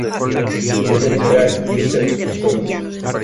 Su líder era Giuseppe Ossorio.